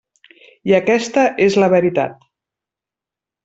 I aquesta és la veritat.